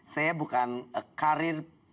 saya bukan karir